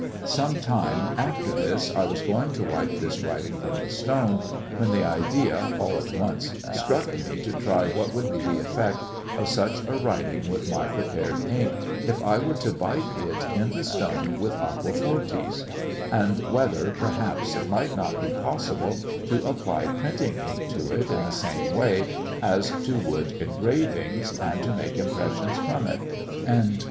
"Some time after this, I was going to wipe this writing from the stone, when the idea, all at once, struck me to try what would be the effect of such a writing with my prepared ink if I were to bite it in the stone with aquafortis; and whether, perhaps, it might not be possible to apply printing ink to it in the same way as to wood engravings, and to take impressions from it."